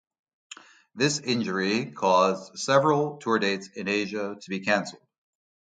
This injury caused several tour dates in Asia to be cancelled.